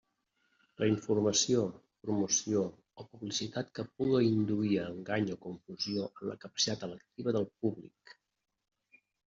La informació, promoció o publicitat que puga induir a engany o confusió en la capacitat electiva del públic.